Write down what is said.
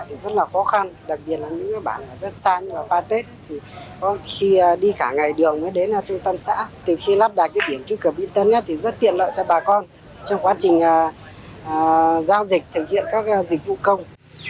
từ khi lắp đặt cái điểm truy cập internet thì rất tiện lợi cho bà con trong quá trình giao dịch thực hiện các dịch vụ công